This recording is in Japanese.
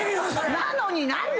なのに何で。